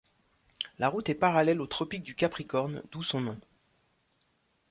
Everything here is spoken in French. La route est parallèle au tropique du Capricorne, d'où son nom.